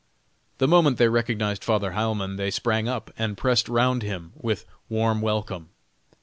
The moment they recognized Father Heilmann, they sprang up, and pressed round him with warm welcome.